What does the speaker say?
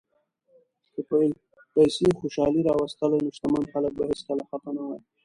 که پیسې خوشالي راوستلی، نو شتمن خلک به هیڅکله خپه نه وای.